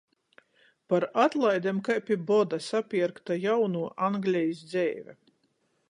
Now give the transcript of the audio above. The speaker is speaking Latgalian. Par atlaidem kai pi boda sapierkta jaunuo Anglejis dzeive.